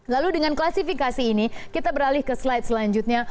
lalu dengan klasifikasi ini kita beralih ke slide selanjutnya